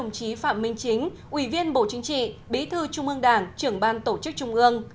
đồng chí phạm minh chính ủy viên bộ chính trị bí thư trung ương đảng trưởng ban tổ chức trung ương